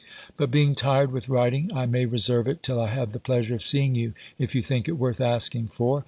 But being tired with writing, I may reserve it, till I have the pleasure of seeing you, if you think it worth asking for.